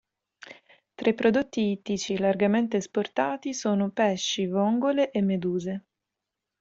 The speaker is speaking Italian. Tra i prodotti ittici, largamente esportati sono pesci, vongole e meduse.